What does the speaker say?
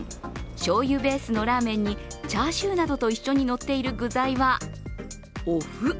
しょうゆベースのラーメンにチャーシューなどと一緒にのっている具材は、おふ。